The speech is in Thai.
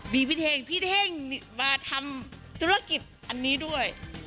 มีพี่เท่งพี่เท่งมาทำธุรกิจอันนี้ด้วย